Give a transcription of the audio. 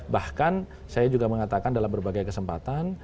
bahkan saya juga mengatakan dalam berbagai kesempatan